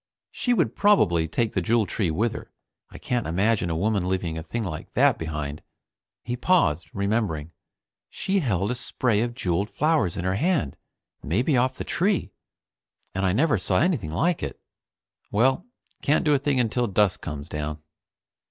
She would probably take the Jewel Tree with her. I can't imagine a woman leaving a thing like that behind. He paused, remembering. She held a spray of jeweled flowers in her hand, maybe off the Tree, and I never saw anything like it. Well, can't do a thing until dusk comes down.